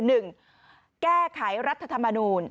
หนึ่งแก้ไขรัฐธรรมนูล